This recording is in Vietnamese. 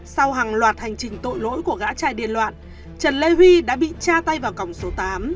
sau hàng loạt hành trình tội lỗi của gã trài điên loạn trần lê huy đã bị cha tay vào cổng số tám